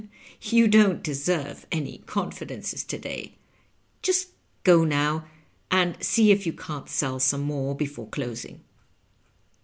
" You don't deserve any confidences to day. Just go now, and see if you can't sell some more before closing."